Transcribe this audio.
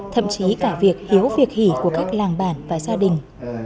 thậm chí cả việc hiếu việc hỉ của các làng bản và gia đình